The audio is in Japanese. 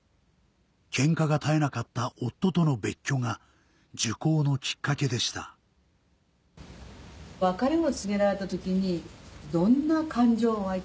ケンカが絶えなかった夫との別居が受講のきっかけでした私が。